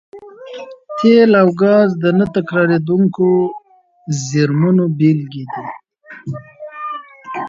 تېل او ګاز د نه تکرارېدونکو زېرمونو بېلګې دي.